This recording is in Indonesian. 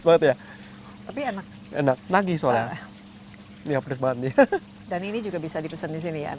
banget ya tapi enak enak lagi soalnya dihapus banget ya dan ini juga bisa dipesan di sini ya